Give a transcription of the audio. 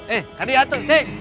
eh hadi atuh seng